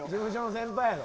先輩やろ！